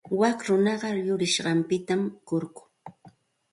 Wak runaqa yurisqanpita kurku.